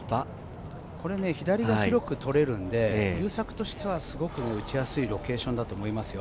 左が広く取れるんで、優作としてはすごく打ちやすいロケーションだと思いますよ。